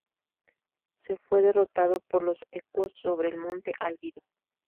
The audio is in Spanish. C.. Fue derrotado por los ecuos sobre el Monte Álgido.